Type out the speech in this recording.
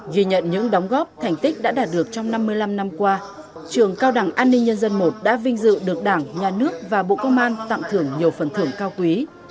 ghi nhận những đóng góp thành tích đã đạt được trong năm mươi năm năm qua trường cao đẳng an ninh nhân dân i đã vinh dự được đảng nhà nước và bộ công an tặng thưởng nhiều phần thưởng cao quý